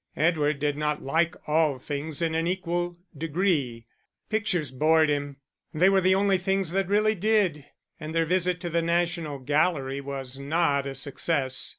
Edward did not like all things in an equal degree; pictures bored him (they were the only things that really did), and their visit to the National Gallery was not a success.